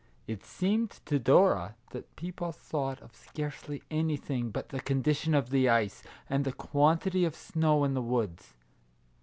It seemed to Dora that people thought of scarcely anything but the condition of the ice, and the quantity of snow in the woods.